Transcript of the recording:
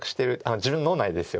自分の脳内でですよ。